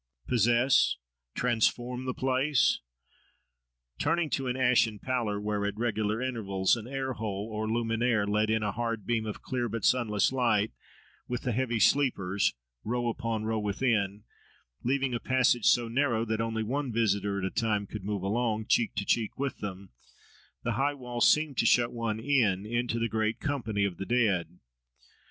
—possess, transform, the place?—Turning to an ashen pallor where, at regular intervals, an air hole or luminare let in a hard beam of clear but sunless light, with the heavy sleepers, row upon row within, leaving a passage so narrow that only one visitor at a time could move along, cheek to cheek with them, the high walls seemed to shut one in into the great company of the dead.